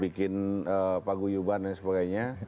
bikin paguyuban dan sebagainya